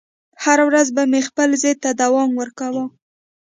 هره ورځ به مې خپل ضد ته دوام ورکاوه